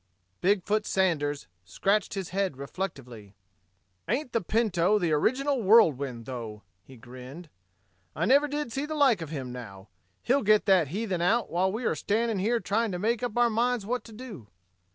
Big foot Sanders scratched his head reflectively. "Ain't the Pinto the original whirlwind, though?" he grinned. "I never did see the like of him, now. He'll get that heathen out while we are standing here trying to make up our minds what to do."